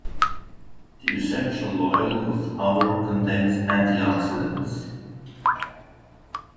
The essential oil of the flower contains antioxidants.